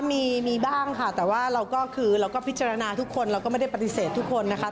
มีบ้างค่ะแต่ว่าเราก็คือเราก็พิจารณาทุกคนเราก็ไม่ได้ปฏิเสธทุกคนนะคะ